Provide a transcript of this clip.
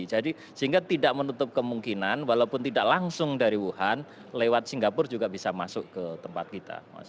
jadi sehingga tidak menutup kemungkinan walaupun tidak langsung dari wuhan lewat singapura juga bisa masuk ke tempat kita